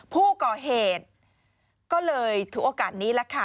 ผู้ก่อเหตุก็เลยถือโอกาสนี้แหละค่ะ